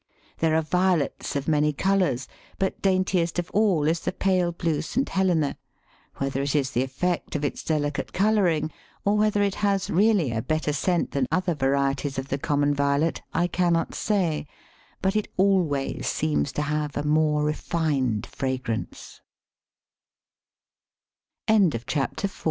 There are Violets of many colours, but daintiest of all is the pale blue St. Helena; whether it is the effect of its delicate colouring, or whether it has really a better scent than other varieties of the common Violet, I cannot say, but it always see